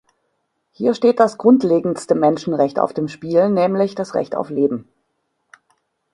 Hier steht das grundlegendste Menschenrecht auf dem Spiel, nämlich das Recht auf Leben.